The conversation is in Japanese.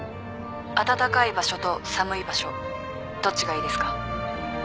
暖かい場所と寒い場所どっちがいいですか？